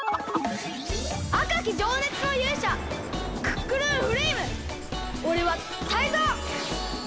あかきじょうねつのゆうしゃクックルンフレイムおれはタイゾウ！